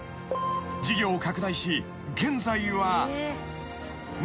［事業を拡大し現在は］